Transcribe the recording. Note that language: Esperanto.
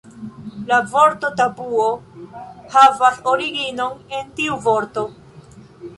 La vorto tabuo havas originon en tiu vorto.